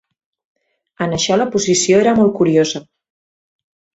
En això la posició era molt curiosa.